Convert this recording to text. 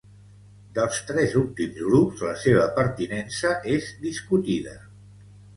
Dels tres últims grups la seva pertinença és discutida.